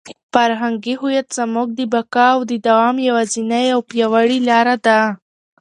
فرهنګي هویت زموږ د بقا او د دوام یوازینۍ او پیاوړې لاره ده.